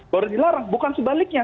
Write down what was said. boleh dilarang bukan sebaliknya